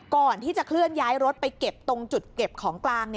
ก่อนที่จะเคลื่อนย้ายรถไปเก็บตรงจุดเก็บของกลาง